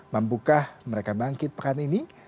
mampukah mereka bangkit pekan ini